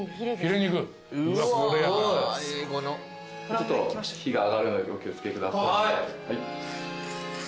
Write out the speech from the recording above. ちょっと火が上がるのでお気を付けください。